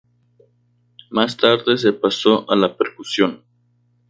Más tarde se pasó a la percusión.